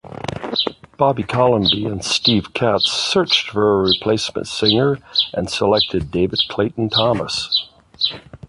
Bobby Colomby and Steve Katz searched for a replacement singer and selected David Clayton-Thomas.